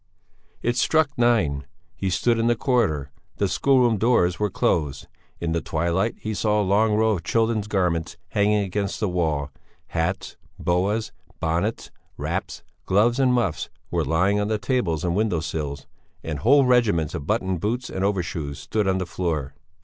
It struck nine. He stood in the corridor; the schoolroom doors were closed; in the twilight he saw a long row of children's garments hanging against the wall: hats, boas, bonnets, wraps, gloves, and muffs were lying on tables and window sills, and whole regiments of button boots and overshoes stood on the floor.